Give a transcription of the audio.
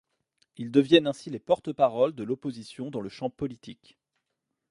Ils deviennent ainsi les porte-paroles de l'opposition dans le champ politique.